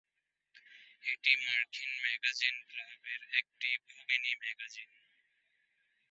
এটি মার্কিন ম্যাগাজিন "ক্লাবের" একটি ভগিনী ম্যাগাজিন।